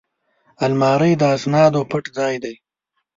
الماري د اسنادو پټ ځای دی